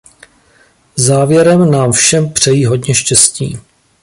Závěrem nám všem přeji hodně štěstí.